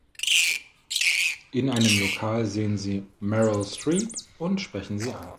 In einem Lokal sehen sie Meryl Streep und sprechen sie an.